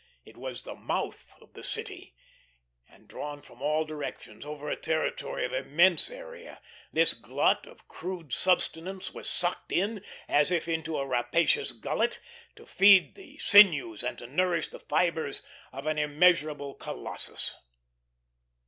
It was the Mouth of the City, and drawn from all directions, over a territory of immense area, this glut of crude subsistence was sucked in, as if into a rapacious gullet, to feed the sinews and to nourish the fibres of an immeasurable colossus.